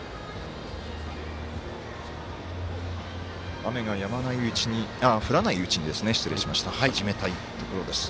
雨が降らないうちに始めたいところです。